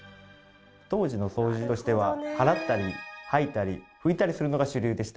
当時の掃除としては払ったり掃いたり拭いたりするのが主流でした。